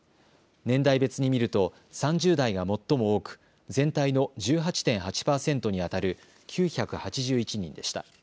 年代別に見ると３０代が最も多く、全体の１８．８％にあたる９８１人でした。